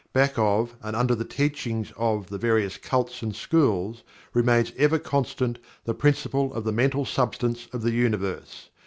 Back of and under the teachings of the various cults and schools, remains ever constant the Principle of the Mental Substance of the Universe.